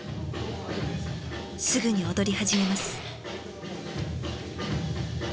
すぐに踊り始めます。